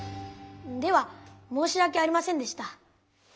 ではもうしわけありませんでした。